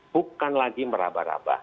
bukan lagi merabah rabah